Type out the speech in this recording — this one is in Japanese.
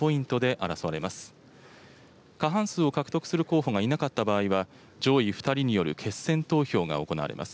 過半数を獲得する候補がいなかった場合は、上位２人による決選投票が行われます。